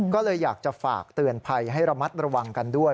ก็เลยอยากจะฝากเตือนภัยให้ระมัดระวังกันด้วย